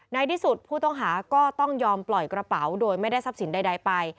ในที่สุดผู้ต้องหาก็ต้องยอมปล่อยกระเป๋าโดยไม่ได้ทรัพย์สินใดไป